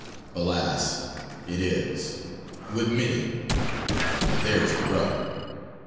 Alas! it is, with many, and there's the rub.